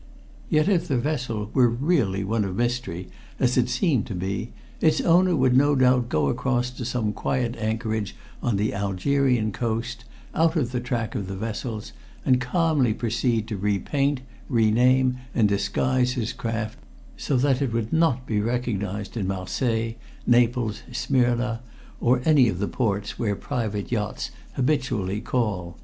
Yet if the vessel were really one of mystery, as it seemed to be, its owner would no doubt go across to some quiet anchorage on the Algerian coast out of the track of the vessels, and calmly proceed to repaint, rename and disguise his craft so that it would not be recognized in Marseilles, Naples, Smyrna, or any of the ports where private yachts habitually call.